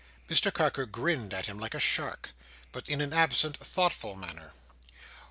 Mr Carker grinned at him like a shark, but in an absent, thoughtful manner.